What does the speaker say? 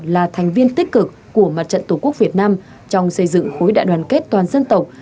là thành viên tích cực của mặt trận tổ quốc việt nam trong xây dựng khối đại đoàn kết toàn dân tộc